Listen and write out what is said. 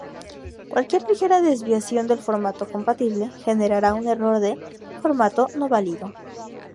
Cualquier ligera desviación del formato compatible, generará un error de "Formato no válido".